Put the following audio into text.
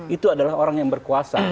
itu adalah orang yang berkuasa